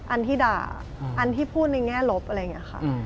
อันที่ด่าอันที่พูดในแง่ลบอะไรอย่างนี้ค่ะ